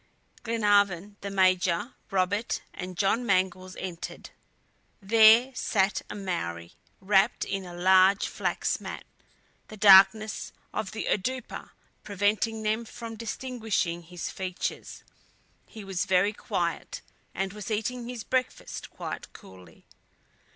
Glenarvan, the Major, Robert and John Mangles entered. There sat a Maori, wrapped in a large flax mat; the darkness of the "oudoupa" preventing them from distinguishing his features. He was very quiet, and was eating his breakfast quite coolly.